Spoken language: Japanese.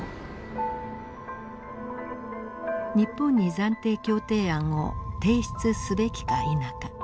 日本に暫定協定案を提出すべきか否か。